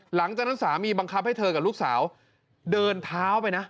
หลังจากนั้นสามีบังคับให้เธอกับลูกสาวเดินเท้าไปนะ